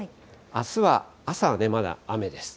あすは朝はね、まだ雨です。